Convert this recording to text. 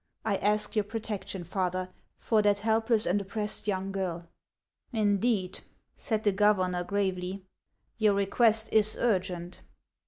I ask your protection, father, for that helpless and oppressed young girl." " Indeed;' said the governor, gravely, " your request is urgent."